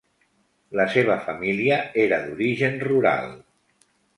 La seva família era d'origen rural.